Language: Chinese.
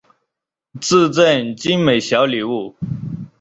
致赠精美小礼物